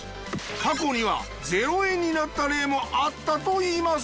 過去には０円になった例もあったといいます